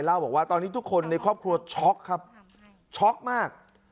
เล่าบอกว่าตอนนี้ทุกคนในครอบครัวช็อกครับช็อกมาก